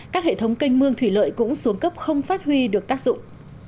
các hệ thống canh mương thủy lợi cũng xuống cấp không phát huy được tác dụng